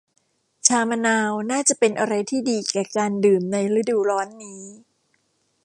ชามะนาวน่าจะเป็นอะไรที่ดีแก่การดื่มในฤดูร้อนนี้